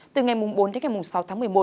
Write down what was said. từ ngày bốn đến ngày sáu tháng một mươi một